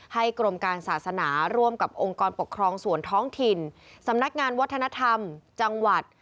กรมการศาสนาร่วมกับองค์กรปกครองส่วนท้องถิ่นสำนักงานวัฒนธรรมจังหวัด